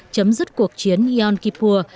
chấm dứt cuộc chiến yom kippur